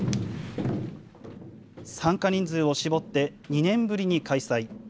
参加人数を絞って、２年ぶりに開催。